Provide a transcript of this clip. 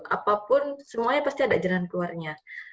apapun semuanya pasti ada jalan keluarnya